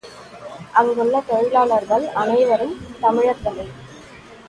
அங்குள்ள தொழிலாளிகள் அனைவரும் தமிழர்களே!